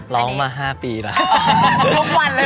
ร้องมา๕ปีแล้ว